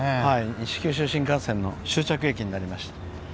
西九州新幹線の終着駅になりました。